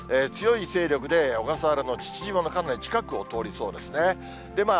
強い勢力で、小笠原の父島のかなり近くを通りそうですね。